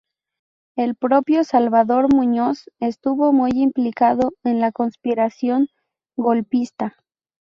El propio Salvador Muñoz estuvo muy implicado en la conspiración golpista.